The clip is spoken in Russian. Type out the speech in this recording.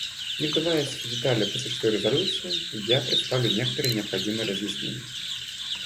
Не вдаваясь в детали по существу резолюции, я представлю некоторые необходимые разъяснения.